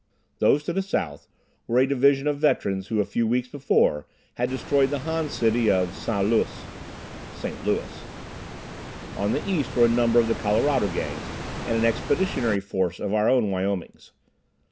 Those to the south were a division of veterans who a few weeks before had destroyed the Han city of Sa Lus (St. Louis). On the east were a number of the Colorado Gangs and an expeditionary force of our own Wyomings.